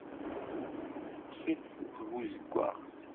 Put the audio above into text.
Teṭṭef-it tbuzeggaɣt.